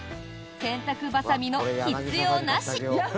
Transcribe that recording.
洗濯バサミの必要なし。